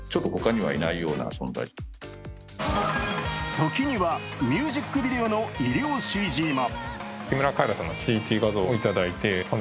時には、ミュージックビデオの医療ＣＧも。